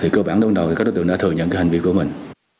cơ bản đối tượng đã thừa nhận cái hành vi của mình